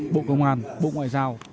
bộ công an bộ ngoại giao